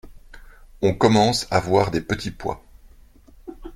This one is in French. On commence à voir des petits pois.